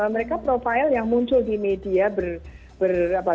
mereka profil yang muncul di media berapa